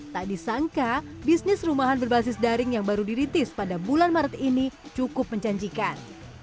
tak disangka bisnis rumahan berbasis daring yang baru diritis pada bulan maret ini cukup menjanjikan